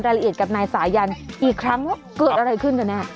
รายละเอียดกับนายสายันอีกครั้งว่าเกิดอะไรขึ้นกันแน่